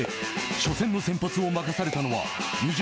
初戦の先発を任されたのは２０